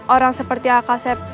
orang seperti aka seb